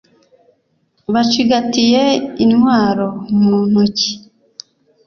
bacigatiye intwaro mu ntoki